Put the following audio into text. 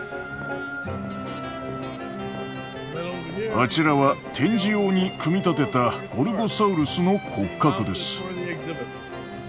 あちらは展示用に組み立てたゴルゴサウルスの骨格です。